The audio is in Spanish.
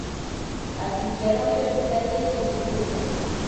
Asistió a la Universidad de Edimburgo.